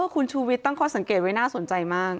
คุณชูวิทย์ตั้งข้อสังเกตไว้น่าสนใจมาก